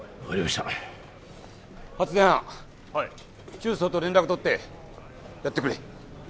中操と連絡を取ってやってくれ。